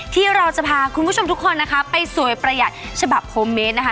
ที่เราจะพาคุณผู้ชมทุกคนนะคะไปสวยประหยัดฉบับโฮมเมดนะคะ